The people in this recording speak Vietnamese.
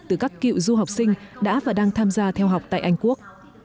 từ các cựu du học sinh đã và đang tham gia theo học tại anh quốc